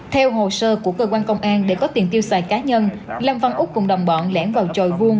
theo hồ sơ của cơ quan công an để có tiền tiêu xài cá nhân lâm văn úc cùng đồng bọn lẻn vào tròi vuông